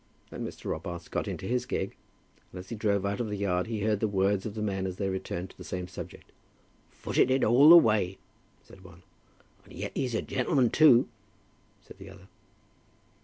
Then Mr. Robarts got into his gig, and as he drove out of the yard he heard the words of the men as they returned to the same subject. "Footed it all the way," said one. "And yet he's a gen'leman, too," said the other.